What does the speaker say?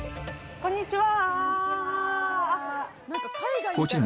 こんにちは！